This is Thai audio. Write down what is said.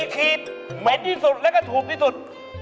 ขีดเหม็นที่สุดแล้วก็ถูกที่สุด